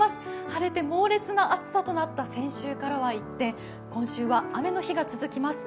晴れて猛烈な暑さとなった先週からは一転、今週は雨の日が続きます。